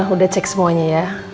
udah cek semuanya ya